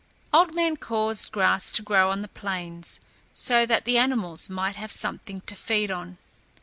Old Man caused grass to grow on the plains, so that the animals might have something to feed on.